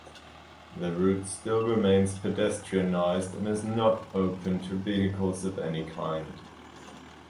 The route still remains pedestrianized and is not open to vehicles of any kind.